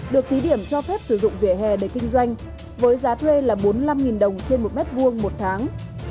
được thí điểm cho phép sử dụng vỉa hè để kinh doanh với giá thuê là bốn mươi năm đồng trên một mét vuông một tháng